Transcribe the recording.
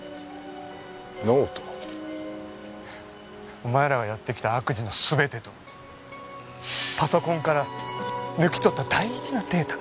お前らがやってきた悪事のすべてとパソコンから抜き取った大事なデータ。